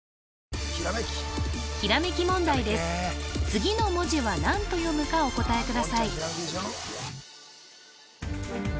次の文字は何と読むかお答えください